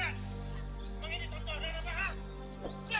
aku harus kasih tau dia